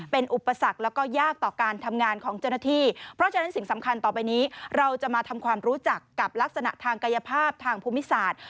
เพราะฉะนั้นสิ่งสำคัญต่อไปนี้เราจะมาทำความรู้จักกับลักษณะทางกายภาพทางภูมิศาสตร์